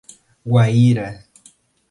Guaíra